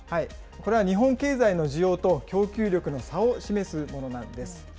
これは日本経済の需要と供給力の差を示すものなんです。